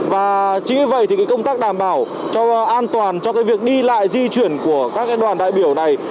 và chính vì vậy thì công tác đảm bảo cho an toàn cho việc đi lại di chuyển của các đoàn đại biểu này